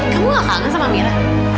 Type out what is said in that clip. kamu gak kangen sama mira